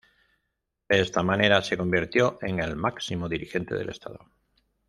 De esta manera se convirtió en el máximo dirigente del Estado.